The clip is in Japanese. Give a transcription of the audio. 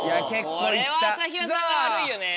これは朝日奈さんが悪いよね。